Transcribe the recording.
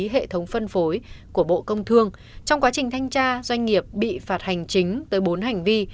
hệ thống phân phối của bộ công thương trong quá trình thanh tra doanh nghiệp bị phạt hành chính tới bốn hành vi